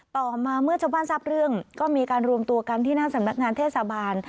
ต่อมาเมื่อชาวบ้านทราบเรื่องก็มีการรวมตัวกันที่หน้าสำนักงานเทศบาล